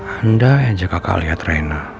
anda ajak kakak lihat rena